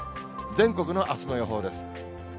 全国のあすの予報です。